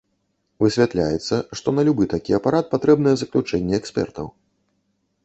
Высвятляецца, што на любы такі апарат патрэбнае заключэнне экспертаў.